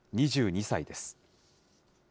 ２２歳です。